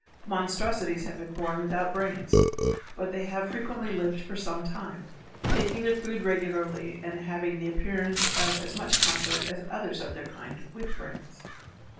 Monstrosities have been born without brains; but they have frequently lived for some time, taking their food regularly and having the appearance of as much comfort as others of their kind with brains.